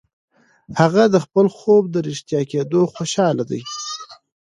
هغه د خپل خوب د رښتیا کېدو خوشاله ده.